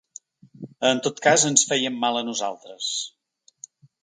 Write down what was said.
En tot cas, ens fèiem mal a nosaltres.